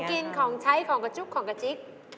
กินของใช้ของกระจุกของกระจิ๊ก